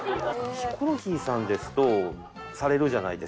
ヒコロヒーさんですとされるじゃないですか。